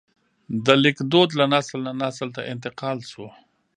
د لیک دود له نسل نه نسل ته انتقال شو.